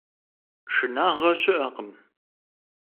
Шынагъэ щыӀэкъым.